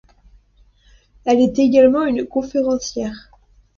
Elle est également une conférencière.